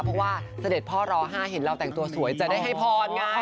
เพราะว่าเสด็จพ่อร๕เห็นเราแต่งตัวสวยจะได้ให้พรไง